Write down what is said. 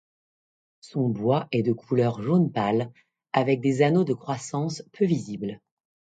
Son bois est de couleur jaune pâle, avec des anneaux de croissance peu visibles.